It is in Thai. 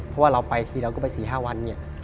เพราะว่าเราไปทีแล้วก็ไป๔๕วัน